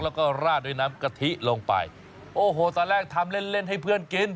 แล้วก็ราดด้วยน้ำกะทิลงไปโอ้โหตอนแรกทำเล่นเล่นให้เพื่อนกิน